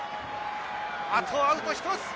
あとはアウト１つ。